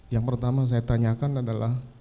yang pertama saya tanyakan adalah